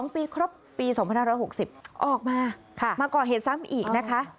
๒ปีครบปี๒๕๖๐ออกมามาก่อเหตุซ้ำอีกนะคะ